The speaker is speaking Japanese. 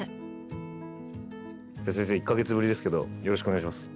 先生１か月ぶりですけどよろしくお願いします。